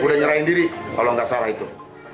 udah nyerahin diri kalau nggak salah itu